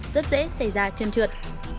rất dễ xảy ra trơn trượt